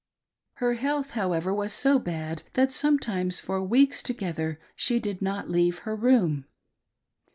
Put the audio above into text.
Her health, however, was so bad that sometimes for weeks together she did not leave her room.